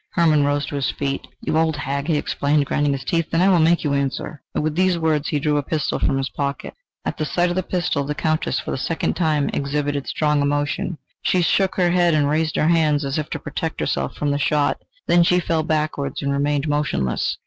Hermann rose to his feet. "You old hag!" he exclaimed, grinding his teeth, "then I will make you answer!" With these words he drew a pistol from his pocket. At the sight of the pistol, the Countess for the second time exhibited strong emotion. She shook her head and raised her hands as if to protect herself from the shot... then she fell backwards and remained motionless.